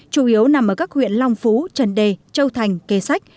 chủ yếu nằm ở các huyện long phú trần đề châu thành kê sách